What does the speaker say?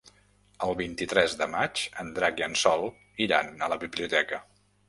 El vint-i-tres de maig en Drac i en Sol iran a la biblioteca.